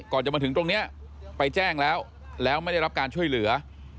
จะมาถึงตรงนี้ไปแจ้งแล้วแล้วไม่ได้รับการช่วยเหลือ